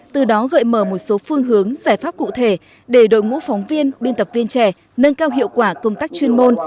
từ đó gợi mở một số phương hướng giải pháp cụ thể để đội ngũ phóng viên biên tập viên trẻ nâng cao hiệu quả công tác chuyên môn